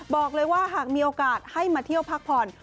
บอกเลยว่าหากมีโอกาสให้มาเที่ยวพักผ่อน